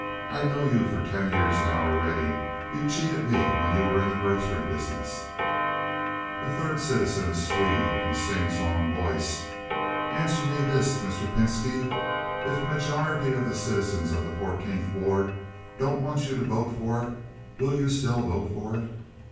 I know you for ten years now already. You cheated me when you were in the grocery business." A Third Citizen (a Swede. In a sing song voice). "Answer me this, Mr. Pinski. If a majority of the citizens of the Fourteenth Ward don't want you to vote for it, will you still vote for it?"